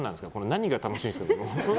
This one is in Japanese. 何が楽しいんですか？